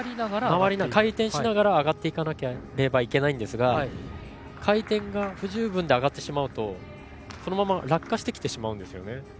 回転しながら上がっていかなければいけないんですが回転が不十分で上がってしまうとこのまま落下してきてしまうんですね。